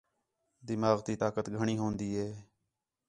دماغ تی طاقت گھݨی ہون٘دی ہِے